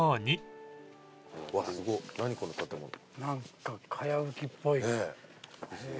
何かかやぶきっぽい。